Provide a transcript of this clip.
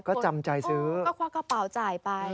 ก็จำใจซื้อก็ควักกระเป๋าจ่ายไป